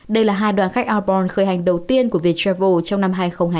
đây là hai đoàn khách outbound khởi hành đầu tiên của vietravel trong năm hai nghìn hai mươi hai